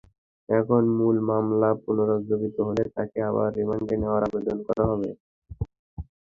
এখন মূল মামলা পুনরুজ্জীবিত হলে তাঁকে আবার রিমান্ডে নেওয়ার আবেদন করা হবে।